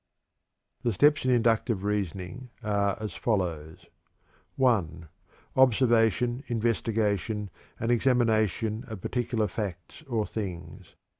The steps in inductive reasoning are as follows: I. Observation, investigation, and examination of particular facts or things.